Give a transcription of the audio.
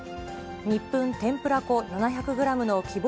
ニップン天ぷら粉７００グラムの希望